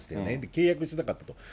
契約してなかったと。